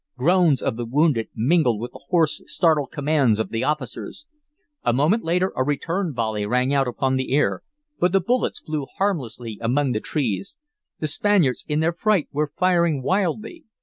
Groans of the wounded mingled with the hoarse, startled commands of the officers. A moment later a return volley rang out upon the air, but the bullets flew harmlessly among the trees. The Spaniards in their fright were firing wildly.